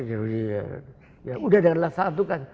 ya udah dari saat itu kan